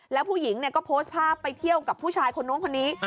แล้วผู้หญิงก็โพสต์ภาพไปเที่ยวกับผู้ชายคนนู้นคนนี้